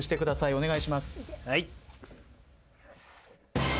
お願いします。